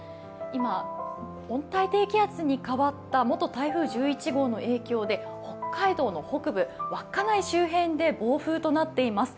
今、温帯低気圧に変わった元台風１１号の影響で北海道の北部、稚内周辺で暴風となっています。